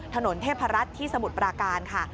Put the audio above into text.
ถนนเทพรัฐที่สมุทรปราการค่ะ